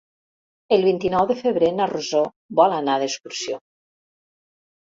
El vint-i-nou de febrer na Rosó vol anar d'excursió.